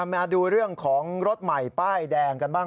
มาดูเรื่องของรถใหม่ป้ายแดงกันบ้าง